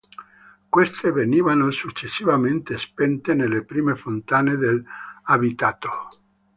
Queste venivano successivamente spente nelle prime fontane dell’abitato.